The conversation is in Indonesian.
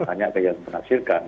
hanya ada yang menafsirkan